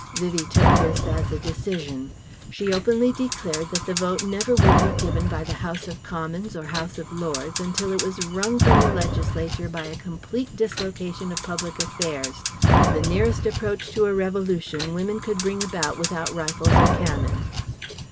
Vivie took this as a decision. She openly declared that the Vote never would be given by the House of Commons or House of Lords until it was wrung from the Legislature by a complete dislocation of public affairs, the nearest approach to a revolution women could bring about without rifles and cannon.